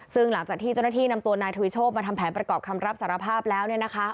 ซึ่งหลังจากที่เจ้าหน้าที่นำตัวนายทวีโชคมาทำแผนประกอบคำรับสารภาพแล้ว